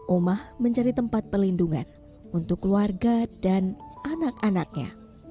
omah mencari tempat pelindungan untuk keluarga dan anak anaknya